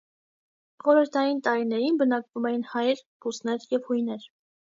Խորհրդային տարիներին բնակվում էին հայեր, ռուսներ և հույներ։